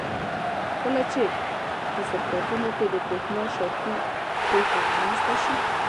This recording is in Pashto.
کله چې په سرکټونو کې د برېښنا شارټۍ پېښه رامنځته شي.